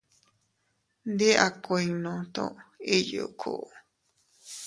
Ndi a kuinno tu iyuku.